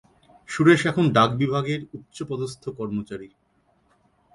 সুরেশ এখন ডাকবিভাগের উচ্চপদস্থ কর্মচারী।